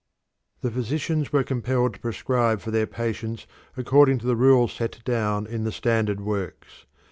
The physicians were compelled to prescribe for their patients according to the rules set down in the standard works.